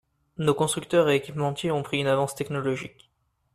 Nos constructeurs et équipementiers ont pris une avance technologique.